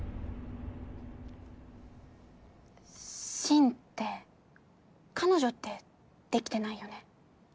深って彼女ってできてないよね？